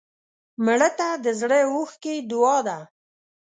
مړه ته د زړه اوښکې دعا ده